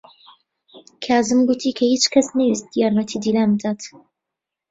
کازم گوتی کە هیچ کەس نەیویست یارمەتیی دیلان بدات.